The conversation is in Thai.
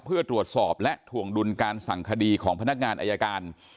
เพื่อตรวจสอบและถ่วงดุลการสั่งคดีของพนักงานอายการ